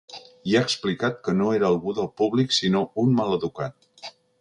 I ha explicat que no era algú ‘del públic, sinó un maleducat’.